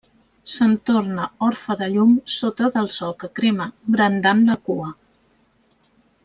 Se'n torna orfe de llum sota del sol que crema, brandant la cua.